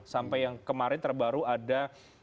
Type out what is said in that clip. sampai yang kemarin terbaru ada